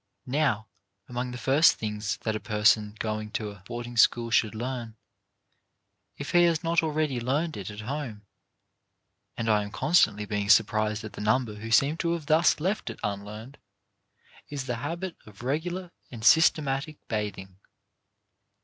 Now, among the first things that a person going to a boarding school should learn, if he has not already learned it at home — and I am con stantly being surprised at the number who seem to have thus left it unlearned — is the habit of regular and systematic bathing.